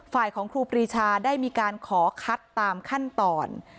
ฝ่ายของครูปรีชาได้มีการขอคัดตามขั้นตอน